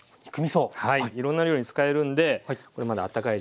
いろんな料理に使えるんでこれまだあったかい状態ですね。